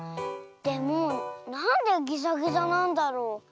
でもなんでぎざぎざなんだろう？